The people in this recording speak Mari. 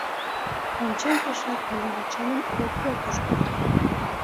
Ончем пешак нелын ачамын рок пӧртышкӧ.